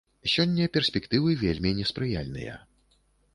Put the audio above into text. Сёння перспектывы вельмі неспрыяльныя.